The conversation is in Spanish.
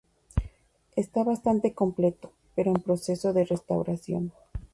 Está bastante completo, pero en proceso de restauración.